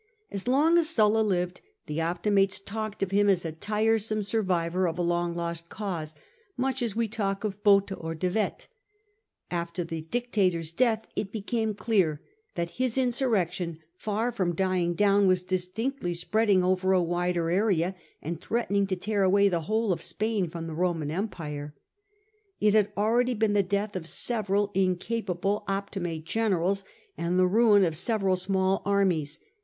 As long as Sulla lived, the Optimates talked of him as a tiresome survivor of a long lost cause, much as we talk of Botha or De Wet, After the dictator's death it became clear that his insurrection, far from dying down, was distinctly spreading over a wider area, and threatening to tear away the whole of Spain from the Roman Empire. It had already been the death of several incapable Optimate generals, and the ruin of several small armies.